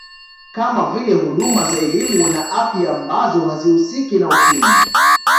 Kama vile huduma za elimu na afya ambazo hazihusiki na Ukimwi